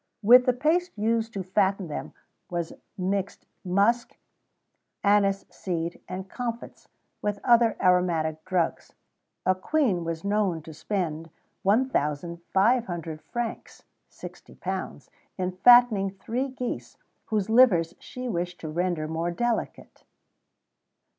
With the paste used to fatten them was mixed musk, anise seed, and comfits, with other aromatic drugs. A Queen was known to spend 1,500 francs (£60) in fattening three geese, whose livers she wished to render more delicate."